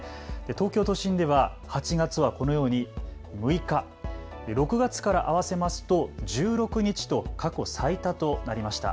東京都心では８月はこのように６日、６月から合わせますと１６日と過去最多となりました。